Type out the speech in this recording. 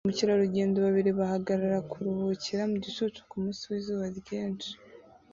Ba mukerarugendo babiri bahagarara kuruhukira mu gicucu kumunsi wizuba ryinshi